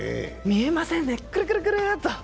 見えませんね、くるくるくるっと。